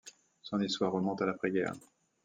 Son histoire remonte à l'après-guerre.